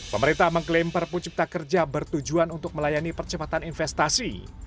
pemerintah mengklaim perpu cipta kerja bertujuan untuk melayani percepatan investasi